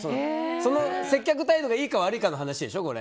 その接客態度がいいか悪いかの話でしょ。